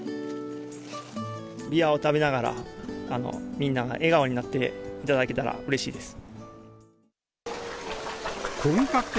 ビワを食べながら、みんなが笑顔になっていただけたらうれしいです。